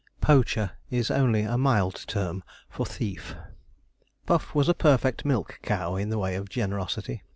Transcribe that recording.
'Poacher' is only a mild term for 'thief.' Puff was a perfect milch cow in the way of generosity.